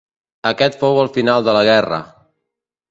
Aquest fou el final de la guerra.